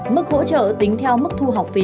mức hỗ trợ tính theo mức thu học phí